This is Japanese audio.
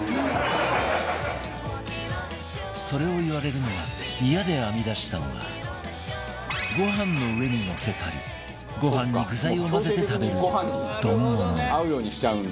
それを言われるのがイヤで編み出したのがご飯の上にのせたりご飯に具材を混ぜて食べる丼物